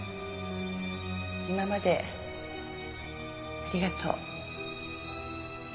今までありがとう。